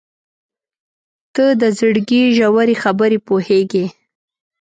• ته د زړګي ژورې خبرې پوهېږې.